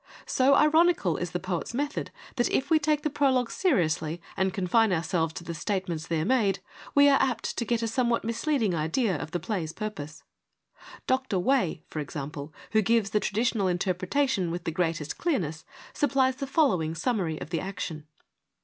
So ironical is the poet's method that, if we take the prologue seriously and confine ourselves to the statements there made, we are apt to get a somewhat misleading idea of the play's purpose. Dr. Way, for example, who gives the traditional interpretation with the greatest clearness, supplies the following summary of the action.